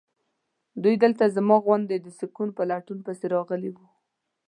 دوی دلته زما غوندې د سکون په لټون پسې راغلي وي.